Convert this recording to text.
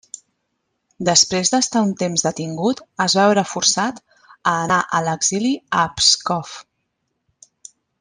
Després d'estar un temps detingut es va veure forçat a anar a l'exili a Pskov.